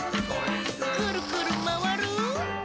「くるくるまわる！」